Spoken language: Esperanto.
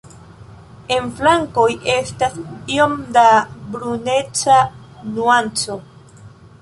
En flankoj estas iom da bruneca nuanco.